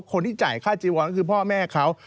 คนที่จ่ายค่าจีวอนคือพ่อแม่เขา